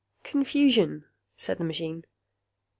"Confusion," said the machine.